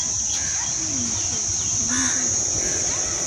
コモロの首都はモロニである